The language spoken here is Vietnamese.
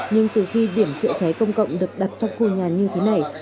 nhưng từ khi điểm chữa cháy công cộng được đặt trong khu nhà như thế này